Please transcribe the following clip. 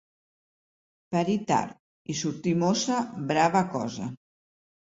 Parir tard i sortir mossa, brava cosa!